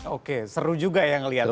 oke seru juga yang ngeliat